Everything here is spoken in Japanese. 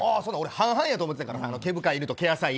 半々やと思ってたからさ毛深い犬と毛浅い犬。